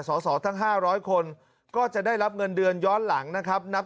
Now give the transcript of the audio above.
สอสอทั้ง๕๐๐คนก็จะได้รับเงินเดือนย้อนหลังนะครับนับ